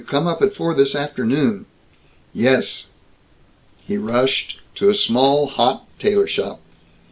Come up at four this afternoon." "Yes!" He rushed to a small, hot tailor shop.